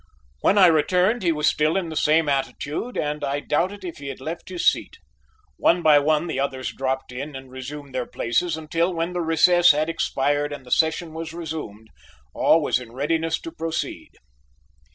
When I returned he was still in the same attitude and I doubted if he had left his seat. One by one the others dropped in and resumed their places until, when the recess had expired and the session was resumed, all was in readiness to proceed.